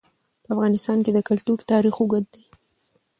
په افغانستان کې د کلتور تاریخ اوږد دی.